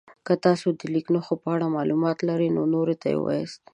که تاسو د لیک نښو په اړه معلومات لرئ نورو ته یې ووایاست.